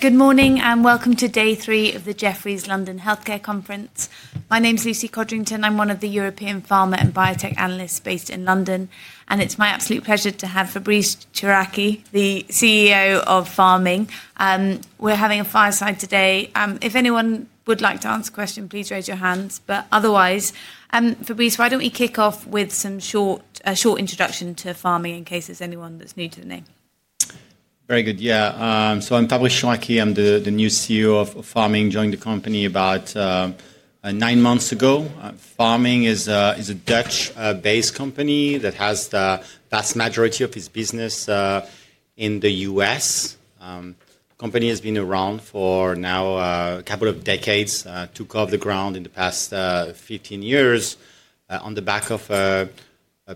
Good morning and welcome to day three of the Jefferies London Healthcare Conference. My name is Lucy Codrington. I'm one of the European Pharma and Biotech Analysts based in London, and it's my absolute pleasure to have Fabrice Chouraqui, the CEO of Pharming. We're having a fireside today. If anyone would like to answer a question, please raise your hands. Otherwise, Fabrice, why don't we kick off with a short introduction to Pharming in case there's anyone that's new to the name? Very good. Yeah. So I'm Fabrice Chouraqui. I'm the new CEO of Pharming. I joined the company about nine months ago. Pharming is a Dutch-based company that has the vast majority of its business in the U.S.. The company has been around for now a couple of decades, took off the ground in the past 15 years on the back of a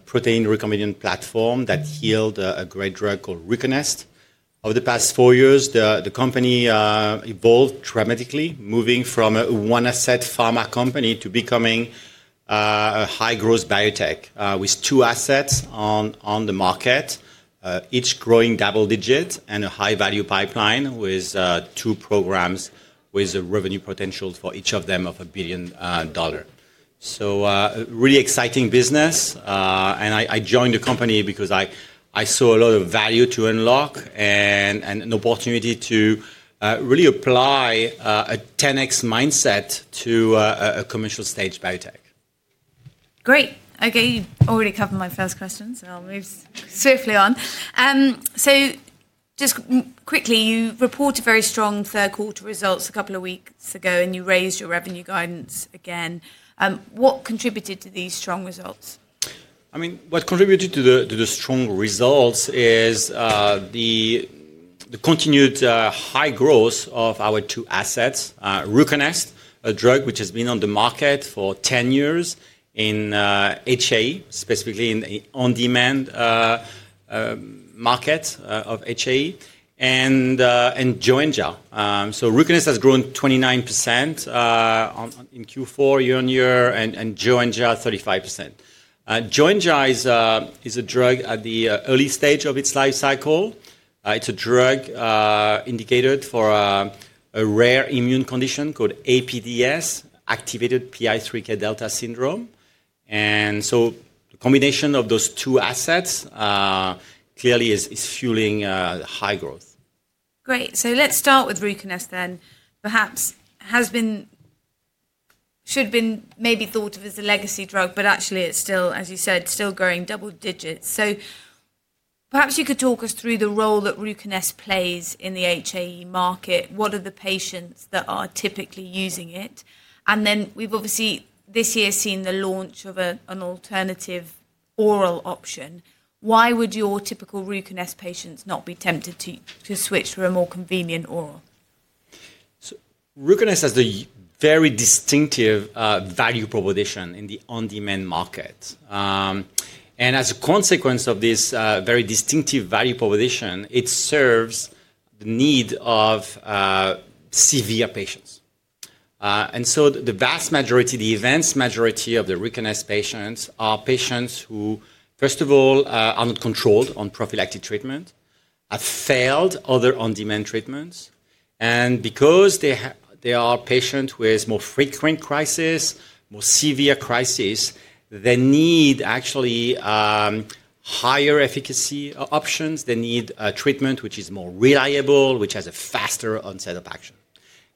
protein recombinant platform that yielded a great drug called RUCONEST. Over the past four years, the company evolved dramatically, moving from a one-asset pharma company to becoming a high-growth biotech with two assets on the market, each growing double digit and a high-value pipeline with two programs with a revenue potential for each of them of $1 billion. Really exciting business. I joined the company because I saw a lot of value to unlock and an opportunity to really apply a 10x mindset to a commercial-stage biotech. Great. Okay. You already covered my first question, so I'll move swiftly on. Just quickly, you reported very strong third quarter results a couple of weeks ago, and you raised your revenue guidance again. What contributed to these strong results? I mean, what contributed to the strong results is the continued high growth of our two assets, RUCONEST, a drug which has been on the market for 10 years in HAE, specifically in the on-demand market of HAE, and Joenja. RUCONEST has grown 29% in Q4 year-on-year and Joenja 35%. Joenja is a drug at the early stage of its life cycle. It's a drug indicated for a rare immune condition called APDS, Activated PI3K Delta Syndrome. The combination of those two assets clearly is fueling high growth. Great. Let's start with RUCONEST then. Perhaps it should have been maybe thought of as a legacy drug, but actually it's still, as you said, still growing double digits. Perhaps you could talk us through the role that RUCONEST plays in the HAE market. What are the patients that are typically using it? We've obviously this year seen the launch of an alternative oral option. Why would your typical RUCONEST patients not be tempted to switch for a more convenient oral? RUCONEST has a very distinctive value proposition in the on-demand market. As a consequence of this very distinctive value proposition, it serves the need of severe patients. The vast majority, the immense majority of the RUCONEST patients are patients who, first of all, are not controlled on prophylactic treatment, have failed other on-demand treatments. Because they are patients with more frequent crises, more severe crises, they need actually higher efficacy options. They need treatment which is more reliable, which has a faster onset of action.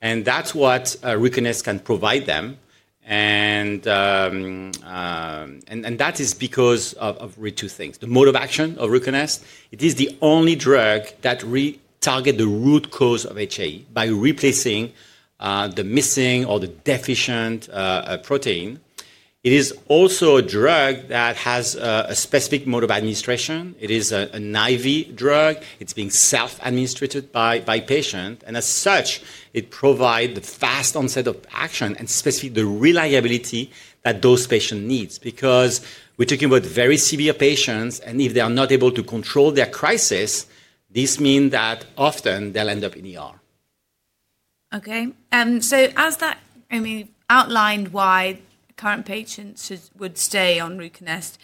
That is what RUCONEST can provide them. That is because of two things. The mode of action of RUCONEST, it is the only drug that targets the root cause of HAE by replacing the missing or the deficient protein. It is also a drug that has a specific mode of administration. It is an IV drug. It's being self-administered by the patient. As such, it provides the fast onset of action and specifically the reliability that those patients need because we're talking about very severe patients. If they are not able to control their crisis, this means that often they'll end up in Okay. As that, I mean, outlined why current patients would stay on RUCONEST,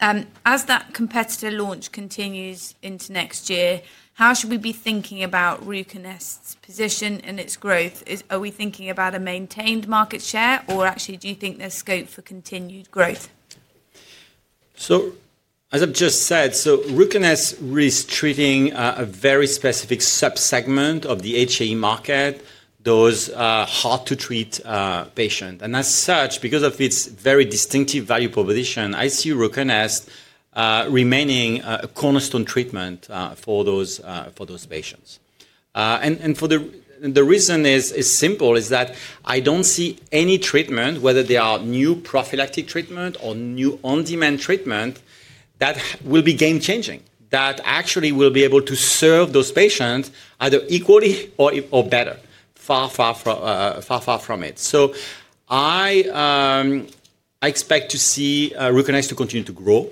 as that competitor launch continues into next year, how should we be thinking about RUCONEST's position and its growth? Are we thinking about a maintained market share, or actually do you think there's scope for continued growth? As I have just said, RUCONEST is treating a very specific subsegment of the HA market, those hard-to-treat patients. Because of its very distinctive value proposition, I see RUCONEST remaining a cornerstone treatment for those patients. The reason is simple, I do not see any treatment, whether they are new prophylactic treatment or new on-demand treatment, that will be game-changing, that actually will be able to serve those patients either equally or better, far, far from it. I expect to see RUCONEST continue to grow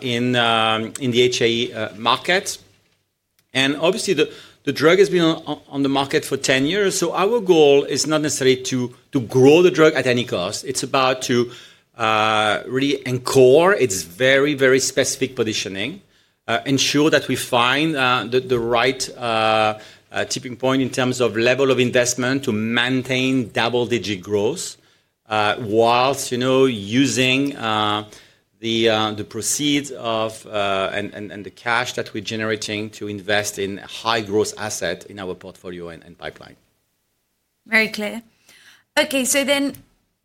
in the HAE market. Obviously, the drug has been on the market for 10 years. Our goal is not necessarily to grow the drug at any cost. It's about to really encore its very, very specific positioning, ensure that we find the right tipping point in terms of level of investment to maintain double-digit growth whilst using the proceeds and the cash that we're generating to invest in high-growth assets in our portfolio and pipeline. Very clear. Okay. So then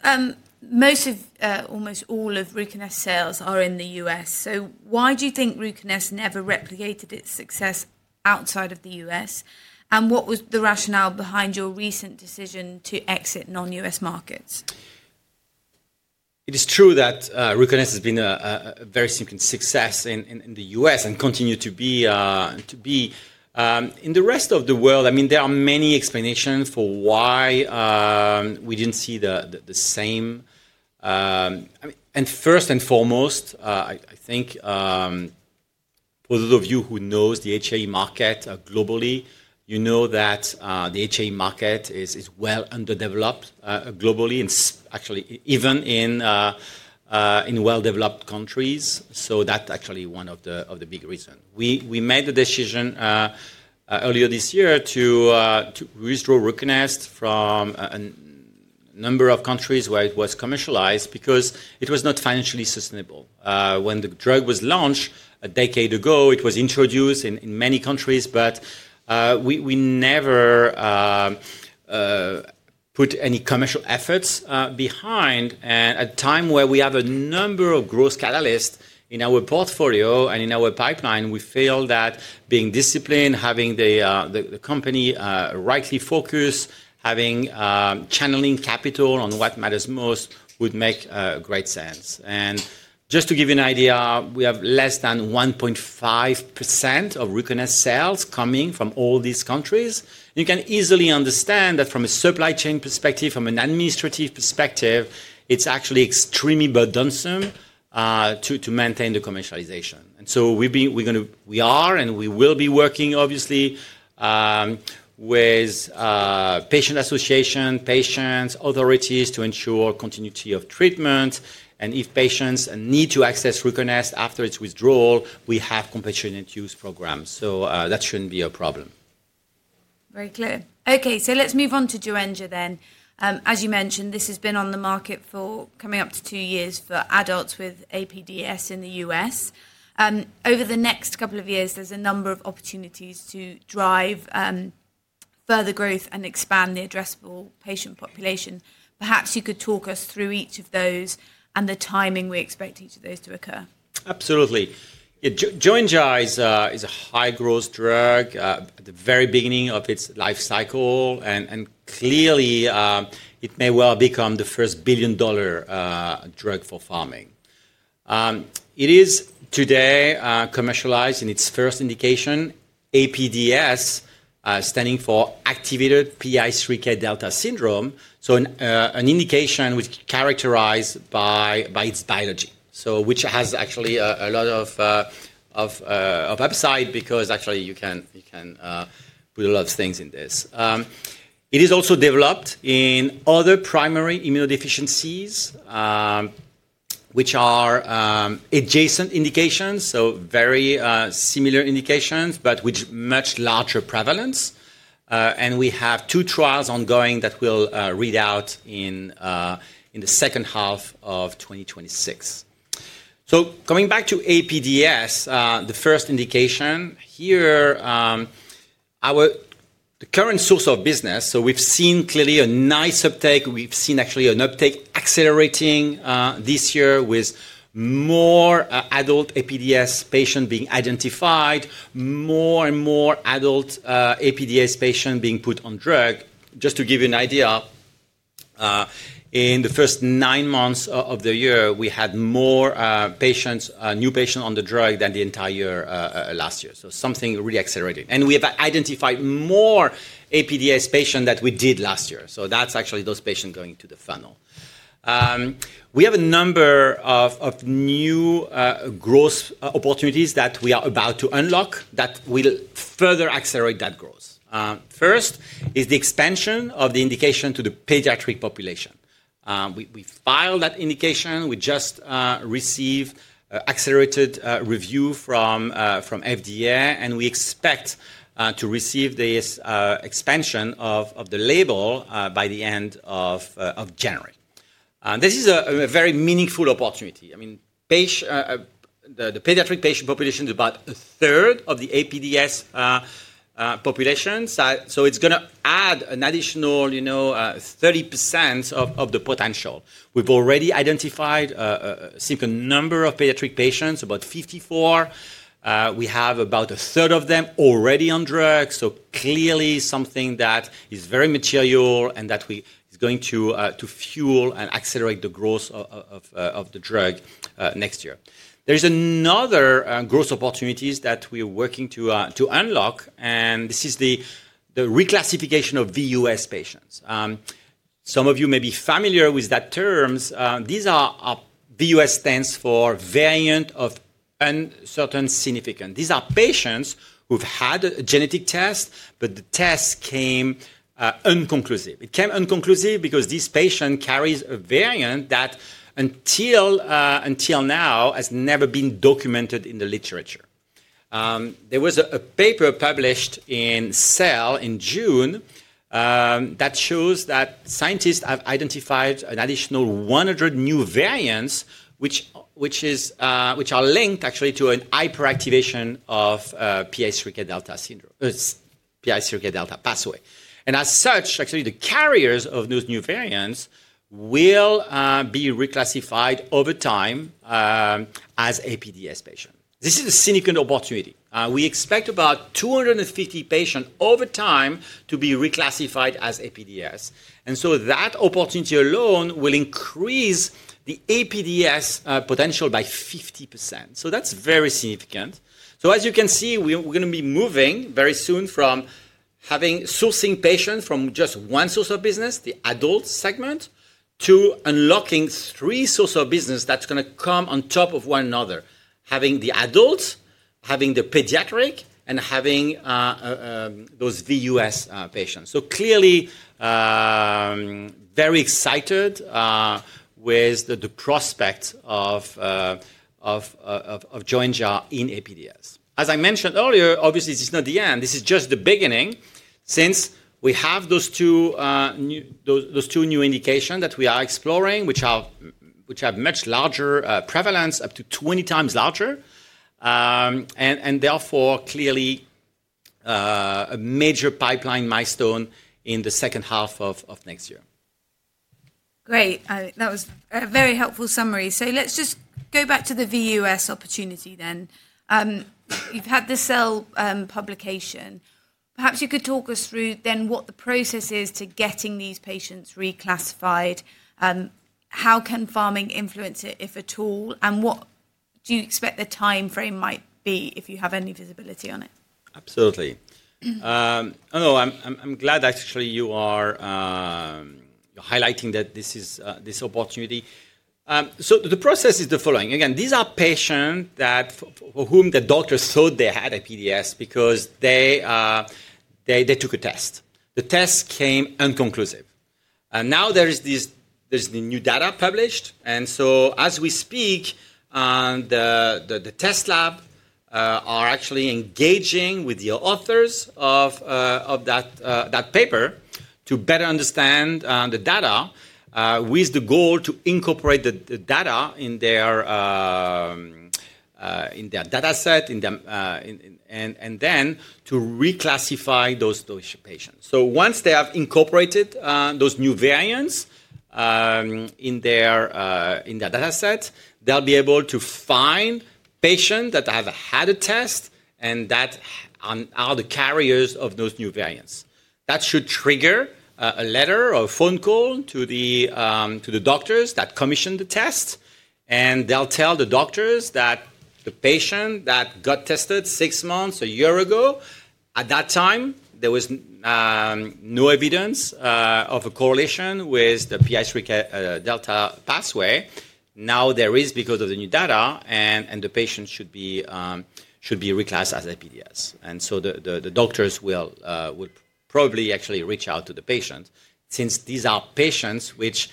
almost all of RUCONEST's sales are in the U.S.. Why do you think RUCONEST never replicated its success outside of the U.S.? What was the rationale behind your recent decision to exit non-U.S. markets? It is true that RUCONEST has been a very significant success in the U.S. and continues to be. In the rest of the world, I mean, there are many explanations for why we did not see the same. First and foremost, I think for those of you who know the HA market globally, you know that the HAE market is well underdeveloped globally, actually even in well-developed countries. That is actually one of the big reasons. We made the decision earlier this year to withdraw RUCONEST from a number of countries where it was commercialized because it was not financially sustainable. When the drug was launched a decade ago, it was introduced in many countries, but we never put any commercial efforts behind. At a time where we have a number of growth catalysts in our portfolio and in our pipeline, we feel that being disciplined, having the company rightly focused, channeling capital on what matters most would make great sense. Just to give you an idea, we have less than 1.5% of RUCONEST sales coming from all these countries. You can easily understand that from a supply chain perspective, from an administrative perspective, it is actually extremely burdensome to maintain the commercialization. We are and we will be working, obviously, with patient associations, patients, authorities to ensure continuity of treatment. If patients need to access RUCONEST after its withdrawal, we have compulsion-induced programs. That should not be a problem. Very clear. Okay. Let's move on to Joenja then. As you mentioned, this has been on the market for coming up to two years for adults with APDS in the U.S.. Over the next couple of years, there's a number of opportunities to drive further growth and expand the addressable patient population. Perhaps you could talk us through each of those and the timing we expect each of those to occur. Absolutely. Joenja is a high-growth drug at the very beginning of its life cycle. It may well become the first billion-dollar drug for Pharming. It is today commercialized in its first indication, APDS, standing for Activated PI3K Delta Syndrome. An indication which is characterized by its biology, which has actually a lot of upside because actually you can put a lot of things in this. It is also developed in other primary immunodeficiencies, which are adjacent indications, very similar indications, but with much larger prevalence. We have two trials ongoing that will read out in the second half of 2026. Coming back to APDS, the first indication here, our current source of business, we've seen clearly a nice uptake. We've seen actually an uptake accelerating this year with more adult APDS patients being identified, more and more adult APDS patients being put on drug. Just to give you an idea, in the first nine months of the year, we had more new patients on the drug than the entire last year. Something really accelerating. We have identified more APDS patients than we did last year. That is actually those patients going to the funnel. We have a number of new growth opportunities that we are about to unlock that will further accelerate that growth. First is the expansion of the indication to the pediatric population. We filed that indication. We just received accelerated review from FDA, and we expect to receive this expansion of the label by the end of January. This is a very meaningful opportunity. I mean, the pediatric patient population is about a third of the APDS population. It is going to add an additional 30% of the potential. We have already identified a significant number of pediatric patients, about 54. We have about a third of them already on drugs. Clearly, something that is very material and that is going to fuel and accelerate the growth of the drug next year. There is another growth opportunity that we are working to unlock. This is the reclassification of VUS patients. Some of you may be familiar with that term. VUS stands for Variant of Uncertain Significance. These are patients who have had a genetic test, but the test came unconclusive. It came unconclusive because this patient carries a variant that until now has never been documented in the literature. There was a paper published in Cell in June that shows that scientists have identified an additional 100 new variants, which are linked actually to a hyperactivation of Pi3K Delta syndrome, Pi3K Delta pathway. As such, actually the carriers of those new variants will be reclassified over time as APDS patients. This is a significant opportunity. We expect about 250 patients over time to be reclassified as APDS. That opportunity alone will increase the APDS potential by 50%. That is very significant. As you can see, we're going to be moving very soon from sourcing patients from just one source of business, the adult segment, to unlocking three sources of business that are going to come on top of one another, having the adults, having the pediatric, and having those VUS patients. Clearly, very excited with the prospect of Joenja in APDS. As I mentioned earlier, obviously, this is not the end. This is just the beginning since we have those two new indications that we are exploring, which have much larger prevalence, up to 20 times larger, and therefore clearly a major pipeline milestone in the second half of next year. Great. That was a very helpful summary. Let's just go back to the VUS opportunity then. You've had the Cell publication. Perhaps you could talk us through then what the process is to getting these patients reclassified. How can Pharming influence it, if at all? What do you expect the timeframe might be if you have any visibility on it? Absolutely. I'm glad actually you are highlighting this opportunity. The process is the following. Again, these are patients for whom the doctor thought they had APDS because they took a test. The test came unconclusive. Now there is the new data published. As we speak, the test labs are actually engaging with the authors of that paper to better understand the data with the goal to incorporate the data in their dataset and then to reclassify those patients. Once they have incorporated those new variants in their dataset, they'll be able to find patients that have had a test and that are the carriers of those new variants. That should trigger a letter or a phone call to the doctors that commissioned the test. They'll tell the doctors that the patient that got tested six months, a year ago, at that time, there was no evidence of a correlation with the Pi3K Delta pathway. Now there is because of the new data, and the patient should be reclassified as APDS. The doctors will probably actually reach out to the patients since these are patients which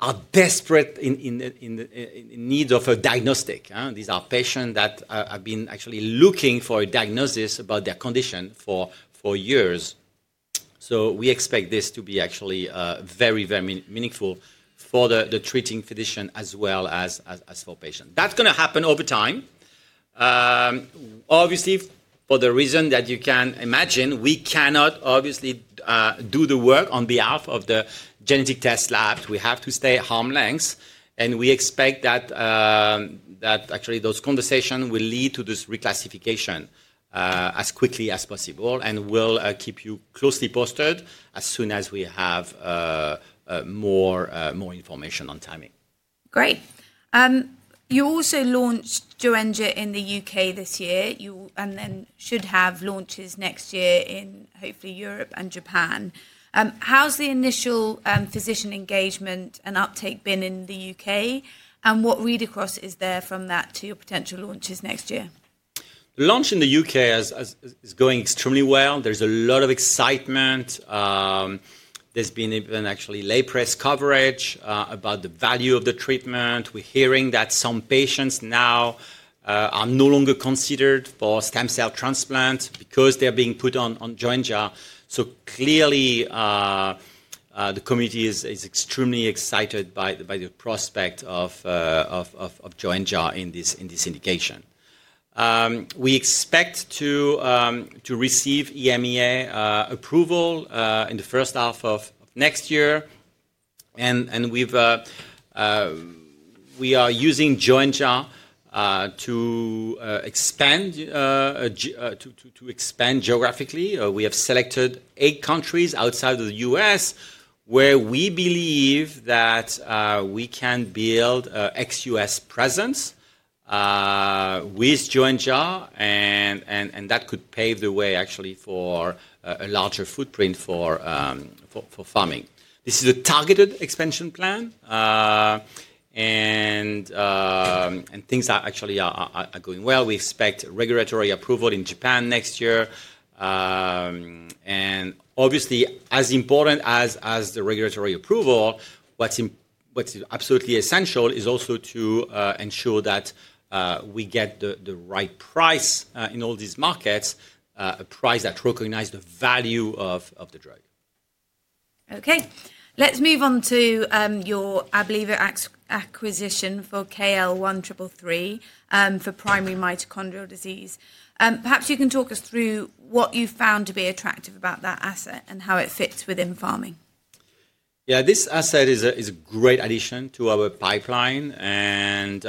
are desperate in need of a diagnostic. These are patients that have been actually looking for a diagnosis about their condition for years. We expect this to be actually very, very meaningful for the treating physician as well as for patients. That is going to happen over time. Obviously, for the reason that you can imagine, we cannot obviously do the work on behalf of the genetic test labs. We have to stay at arm's length. We expect that actually those conversations will lead to this reclassification as quickly as possible. We will keep you closely posted as soon as we have more information on timing. Great. You also launched Joenja in the U.K. this year and then should have launches next year in hopefully Europe and Japan. How's the initial physician engagement and uptake been in the U.K.? What read across is there from that to your potential launches next year? The launch in the U.K. is going extremely well. There's a lot of excitement. There's been even actually late press coverage about the value of the treatment. We're hearing that some patients now are no longer considered for stem cell transplant because they're being put on Joenja. Clearly, the community is extremely excited by the prospect of Joenja in this indication. We expect to receive EMA approval in the first half of next year. We are using Joenja to expand geographically. We have selected eight countries outside of the U.S. where we believe that we can build an ex-U.S. presence with Joenja, and that could pave the way actually for a larger footprint for Pharming. This is a targeted expansion plan. Things actually are going well. We expect regulatory approval in Japan next year. Obviously, as important as the regulatory approval, what's absolutely essential is also to ensure that we get the right price in all these markets, a price that recognizes the value of the drug. Okay. Let's move on to your Abliva acquisition for KL1333 for primary mitochondrial disease. Perhaps you can talk us through what you found to be attractive about that asset and how it fits within Pharming. Yeah, this asset is a great addition to our pipeline and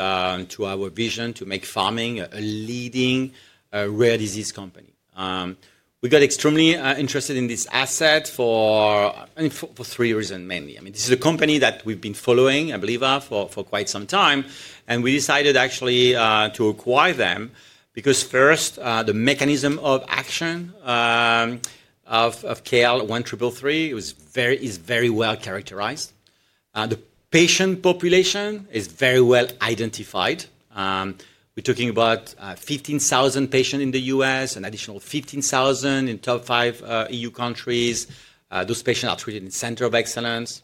to our vision to make Pharming a leading rare disease company. We got extremely interested in this asset for three reasons mainly. I mean, this is a company that we've been following, Abliva, for quite some time. We decided actually to acquire them because first, the mechanism of action of KL1333 is very well characterized. The patient population is very well identified. We're talking about 15,000 patients in the U.S. and an additional 15,000 in the top five EU countries. Those patients are treated in the center of excellence.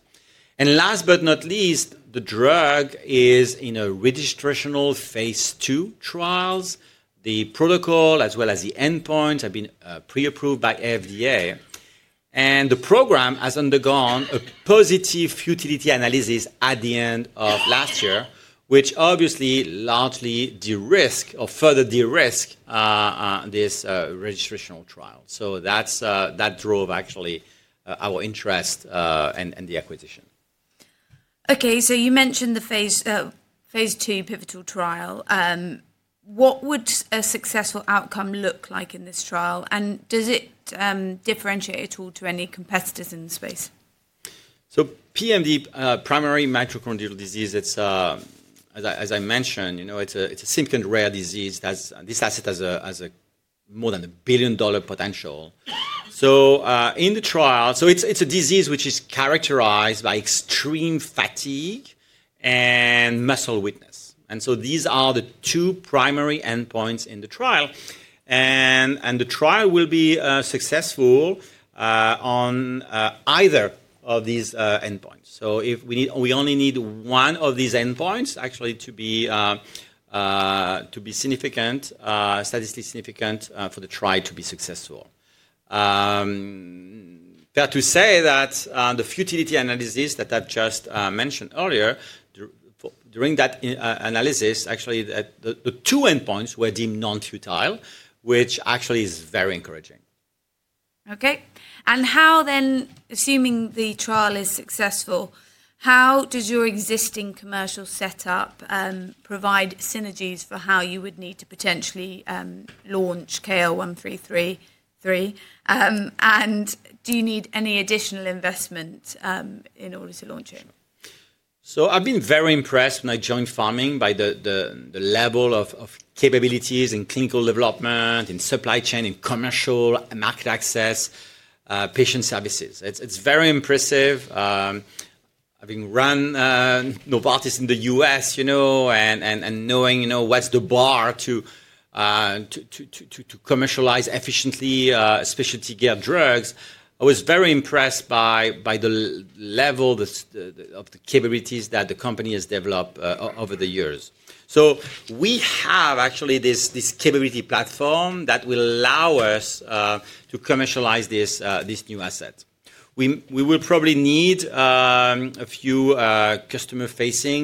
Last but not least, the drug is in registrational phase II trials. The protocol as well as the endpoints have been pre-approved by FDA. The program has undergone a positive futility analysis at the end of last year, which obviously largely de-risked or further de-risked this registrational trial. That drove actually our interest and the acquisition. Okay. You mentioned the phase II pivotal trial. What would a successful outcome look like in this trial? Does it differentiate at all to any competitors in the space? PMD, Primary Mitochondrial Disease, as I mentioned, it's a significant rare disease. This asset has more than a billion-dollar potential. In the trial, it's a disease which is characterized by extreme fatigue and muscle weakness. These are the two primary endpoints in the trial. The trial will be successful on either of these endpoints. We only need one of these endpoints actually to be significant, statistically significant for the trial to be successful. Fair to say that the futility analysis that I just mentioned earlier, during that analysis, actually the two endpoints were deemed non-futile, which actually is very encouraging. Okay. How then, assuming the trial is successful, how does your existing commercial setup provide synergies for how you would need to potentially launch KL1333? Do you need any additional investment in order to launch it? I've been very impressed when I joined Pharming by the level of capabilities in clinical development and supply chain and commercial and market access patient services. It's very impressive. Having run Novartis in the U.S. and knowing what's the bar to commercialize efficiently specialty care drugs, I was very impressed by the level of the capabilities that the company has developed over the years. We have actually this capability platform that will allow us to commercialize this new asset. We will probably need a few customer-facing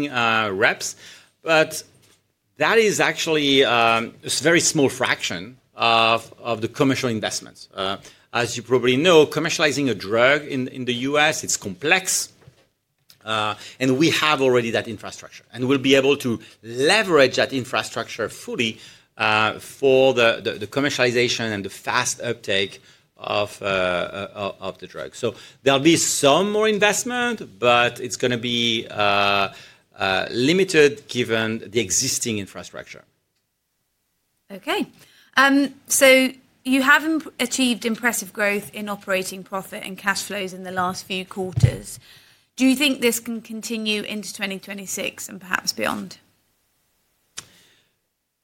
reps, but that is actually a very small fraction of the commercial investments. As you probably know, commercializing a drug in the U.S., it's complex. We have already that infrastructure. We'll be able to leverage that infrastructure fully for the commercialization and the fast uptake of the drug. There'll be some more investment, but it's going to be limited given the existing infrastructure. Okay. So you have achieved impressive growth in operating profit and cash flows in the last few quarters. Do you think this can continue into 2026 and perhaps beyond?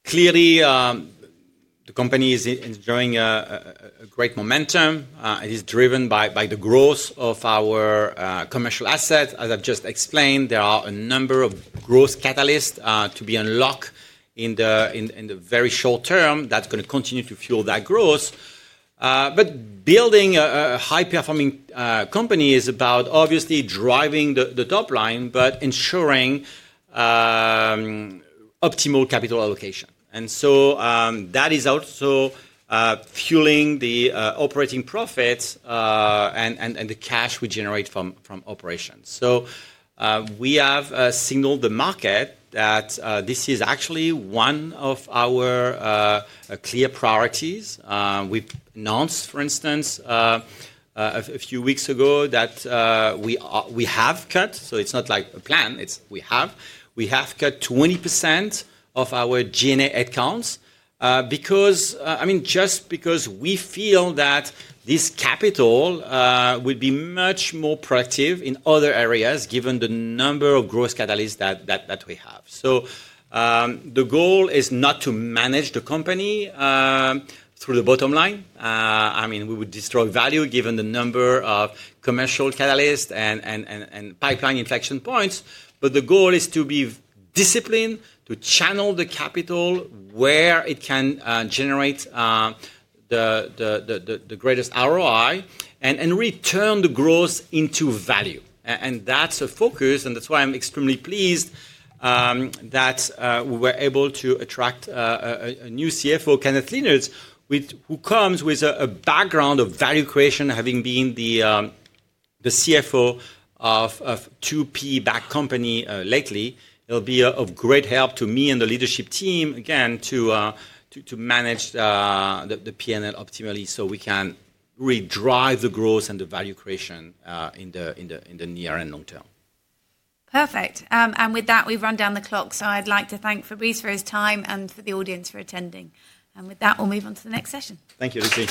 Clearly, the company is enjoying a great momentum. It is driven by the growth of our commercial assets. As I've just explained, there are a number of growth catalysts to be unlocked in the very short term that's going to continue to fuel that growth. Building a high-performing company is about obviously driving the top line, but ensuring optimal capital allocation. That is also fueling the operating profits and the cash we generate from operations. We have signaled the market that this is actually one of our clear priorities. We announced, for instance, a few weeks ago that we have cut. It is not like a plan. We have cut 20% of our G&A headcounts because, I mean, just because we feel that this capital would be much more productive in other areas given the number of growth catalysts that we have. The goal is not to manage the company through the bottom line. I mean, we would destroy value given the number of commercial catalysts and pipeline inflection points. The goal is to be disciplined, to channel the capital where it can generate the greatest ROI and return the growth into value. That is a focus. That is why I'm extremely pleased that we were able to attract a new CFO, Kenneth Lynard, who comes with a background of value creation, having been the CFO of two P-backed companies lately. It'll be of great help to me and the leadership team, again, to manage the P&L optimally so we can really drive the growth and the value creation in the near and long term. Perfect. With that, we've run down the clock. I'd like to thank Fabrice for his time and the audience for attending. With that, we'll move on to the next session. Thank you, Lucy.